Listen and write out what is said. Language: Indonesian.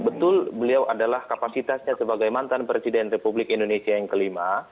betul beliau adalah kapasitasnya sebagai mantan presiden republik indonesia yang kelima